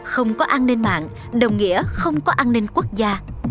không có an ninh mạng đồng nghĩa không có an ninh quốc gia